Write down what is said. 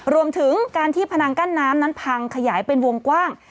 รวมถึงการที่พนังกั้นน้ำนั้นพังขยายเป็นวงกว้าง